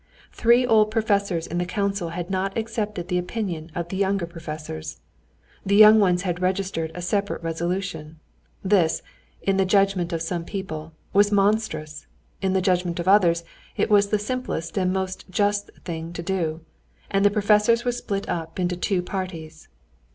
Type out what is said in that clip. Three old professors in the council had not accepted the opinion of the younger professors. The young ones had registered a separate resolution. This, in the judgment of some people, was monstrous, in the judgment of others it was the simplest and most just thing to do, and the professors were split up into two parties.